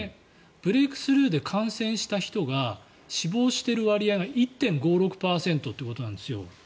ブレークスルーで感染した人が死亡してる割合が１．５６％ということなんですよ。